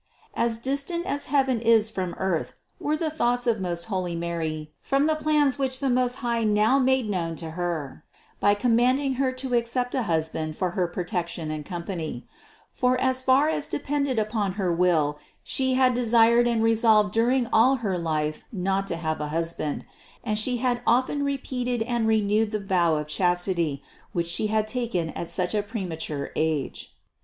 As distant as heaven is from earth, were the thoughts of most holy Mary from the plans which the Most High now made known to Her, by commanding Her to accept a husband for her protection and company; for as far as depended upon her will She had desired and resolved during all her life not to have a husband (433, 586) and She had often repeated and renewed the vow of chastity, which She had taken at such a premature age.